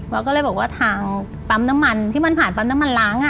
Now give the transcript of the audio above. ก็เลยบอกว่าทางปั๊มน้ำมันที่มันผ่านปั๊มน้ำมันล้าง